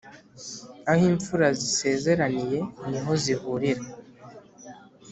aho imfura zisezeraniye ni ho zihurira.